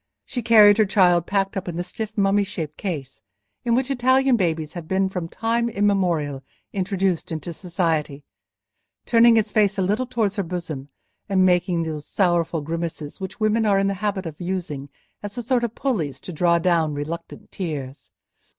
She carried her child packed up in the stiff mummy shaped case in which Italian babies have been from time immemorial introduced into society, turning its face a little towards her bosom, and making those sorrowful grimaces which women are in the habit of using as a sort of pulleys to draw down reluctant tears.